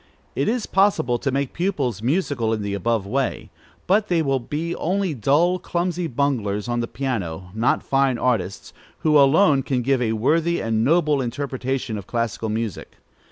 It is possible to make pupils musical in the above way, but they will be only dull, clumsy bunglers on the piano; not fine artists, who alone can give a worthy and noble interpretation of classical music.